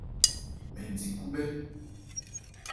Mɛn di khúbhɛ́.